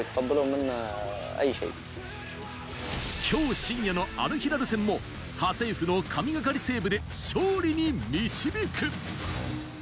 今日深夜のアルヒラル戦も、ハセイフの神がかりセーブで勝利に導く。